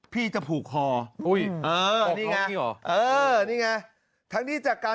พี่จะผูกคออุ้ยเว้นทีหรออ่านี่ไง